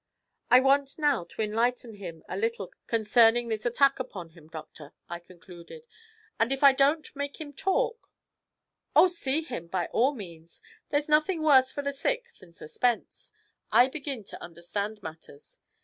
'I want now to enlighten him a little concerning this attack upon him, doctor,' I concluded, 'and if I don't make him talk ' 'Oh, see him by all means. There's nothing worse for the sick than suspense. I begin to understand matters.